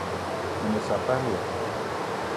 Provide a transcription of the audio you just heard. Me ne saparia !